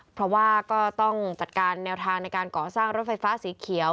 เพราะว่าก็ต้องจัดการแนวทางในการก่อสร้างรถไฟฟ้าสีเขียว